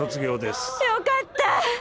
よかった！